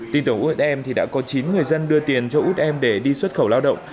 tin tưởng ush em thì đã có chín người dân đưa tiền cho út em để đi xuất khẩu lao động